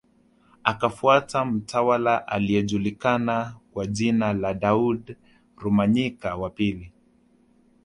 Akafuata mtawala aliyejulikana kwa jina la Daudi Rumanyika wa pili